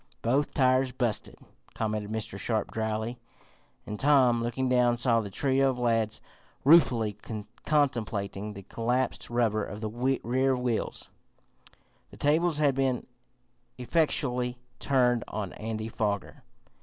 "Both tires busted!" commented Mr. Sharp dryly, and Tom, looking down, saw the trio of lads ruefully contemplating the collapsed rubber of the rear wheels. The tables had been effectually turned on Andy Foger.